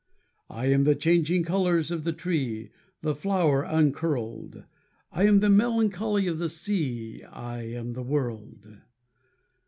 I am the changing colours of the tree; The flower uncurled: I am the melancholy of the sea; I am the world.